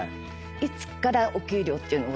いつからお給料っていうのが。